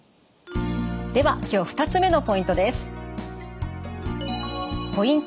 では今日２つ目のポイントです。